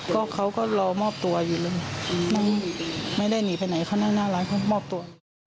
ก็เขาก็รอมอบตัวอยู่เลยไม่ได้หนีไปไหนเขานั่งหน้าร้านเขามอบตัว